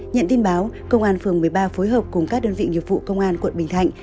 nhận tin báo công an phường một mươi ba phối hợp cùng các đơn vị nghiệp vụ công an quận bình thạnh